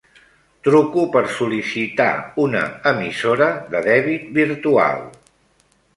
Truco per sol·licitar una emissora de dèbit virtual.